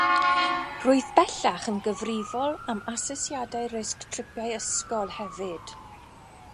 Rwyf bellach yn gyfrifol am asesiadau risg tripiau ysgol hefyd.